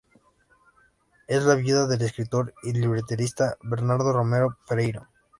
Es la viuda del escritor y libretista Bernardo Romero Pereiro.